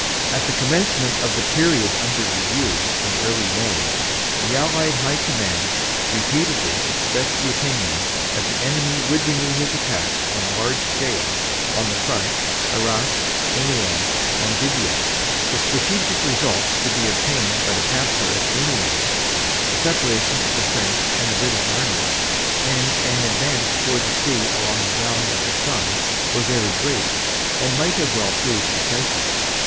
... "At the commencement of the period under review, early in May, the Allied High Command repeatedly expressed the opinion that the enemy would renew his attack on a large scale on the front Arras Amiens Montdidier. The strategic results to be obtained by the capture of Amiens, the separation of the French and British armies, and an advance toward the sea along the valley of the Somme, were very great, and might well have proved decisive.